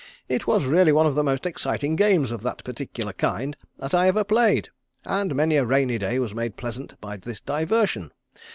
It was really one of the most exciting games of that particular kind that I ever played, and many a rainy day was made pleasant by this diversion.